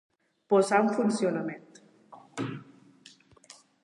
Posar en funcionament.